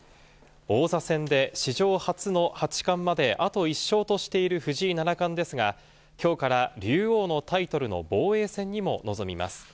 王座戦で史上初の八冠まであと１勝としている藤井七冠ですが、きょうから竜王のタイトルの防衛戦にも臨みます。